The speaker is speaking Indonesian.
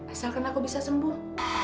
asalkan aku bisa sembuh